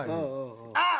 あっ！